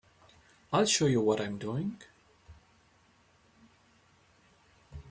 I'll show you what I'm doing.